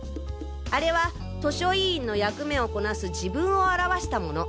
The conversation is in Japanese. あれは図書委員の役目をこなす自分を表したもの。